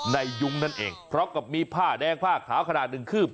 ในยุงนั่นเองเพราะกับมีผ้าแดงผ้าขาวขนาด๑คืบ